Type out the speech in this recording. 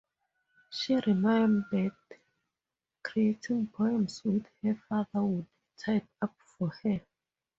She remembered creating poems which her father would type up for her.